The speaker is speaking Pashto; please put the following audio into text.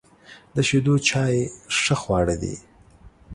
د شیدو چای ښه خواړه دي.